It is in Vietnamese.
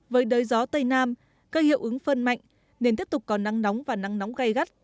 với đới gió tây nam cây hiệu ứng phân mạnh nên tiếp tục có nắng nóng và nắng nóng gây gắt